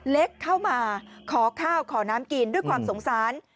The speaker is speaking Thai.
เล็กเข้ามาขอข้าวขอน้ำกินด้วยความสงสาร